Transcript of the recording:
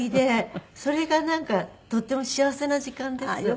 それがなんかとっても幸せな時間です。